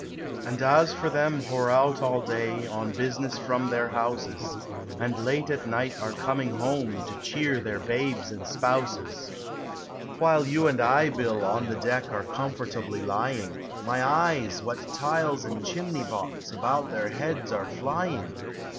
" And as for them who 're out all day On business from their houses, And late at night are coming home, To cheer their babes and spouses, —■ While you and I, Bill, on the deck Are comfortably lying, My eyes ! what tiles and chimney pots About their heads are flying!